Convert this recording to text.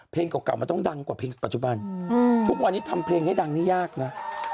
เก่ามันต้องดังกว่าเพลงปัจจุบันทุกวันนี้ทำเพลงให้ดังนี่ยากนะ